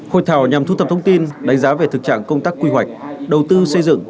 hội thảo nhằm thu thập thông tin đánh giá về thực trạng công tác quy hoạch đầu tư xây dựng